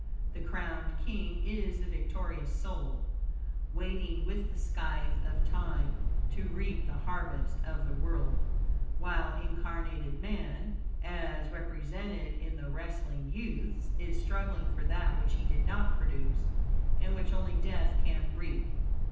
The crowned king is the victorious soul, waiting, with the scythe of Time, to reap the harvest of the world; while incarnated man, as represented in the wrestling youths, is struggling for that which he did not produce, and which only death can reap.